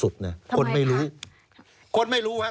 ทำไมครับ